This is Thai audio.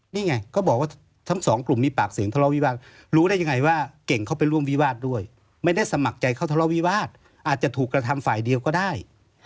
นี่ไงก็บอกว่าทั้งสองกลุ่มมีปากเสียงทะเลาวิวาสรู้ได้ยังไงว่าเก่งเข้าไปร่วมวิวาสด้วยไม่ได้สมัครใจเข้าทะเลาวิวาสอาจจะถูกกระทำฝ่ายเดียวก็ได้